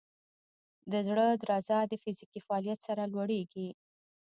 د زړه درزا د فزیکي فعالیت سره لوړېږي.